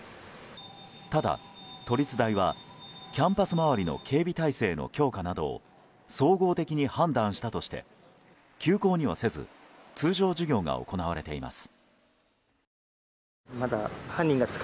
ただ都立大は、キャンパス周りの警備態勢の強化などを総合的に判断したとして休校にはせず通常授業が行われています。